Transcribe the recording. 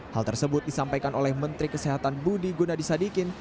hal tersebut disampaikan oleh menteri kesehatan budi gunadisadikin